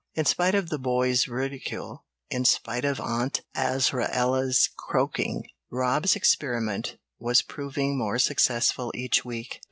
In spite of the boys' ridicule, in spite of Aunt Azraella's croaking, Rob's experiment was proving more successful each week.